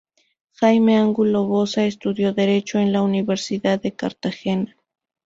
Jaime Ángulo Bossa estudió Derecho en la Universidad de Cartagena.